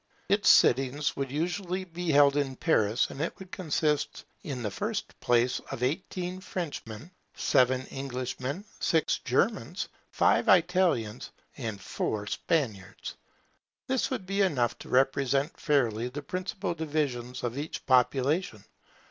Its sittings would usually be held in Paris, and it would consist, in the first place, of eight Frenchmen, seven Englishmen, six Germans, five Italians, and four Spaniards. This would be enough to represent fairly the principal divisions of each population.